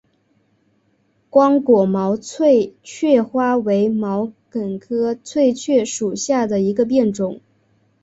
光果毛翠雀花为毛茛科翠雀属下的一个变种。